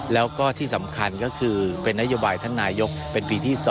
แล้วก็ที่สำคัญก็คือเป็นนโยบายท่านนายกเป็นปีที่๒